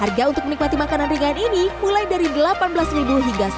harga untuk menikmati makanan ringan ini mulai dari rp delapan belas hingga rp satu ratus tiga puluh dua